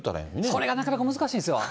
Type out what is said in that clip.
それがなかなか難しいんですよ。